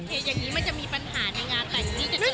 เหตุแบบนี้มันจะมีปัญหาในงานแบบนี้